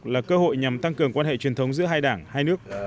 là cơ hội nhằm tăng cường quan hệ truyền thống giữa hai đảng hai nước